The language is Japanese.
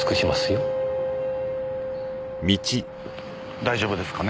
大丈夫ですかね？